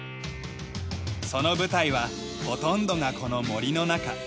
その舞台はほとんどがこの森の中。